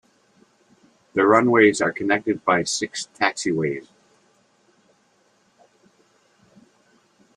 The runways are connected by six taxiways.